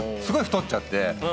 すごい太っちゃって。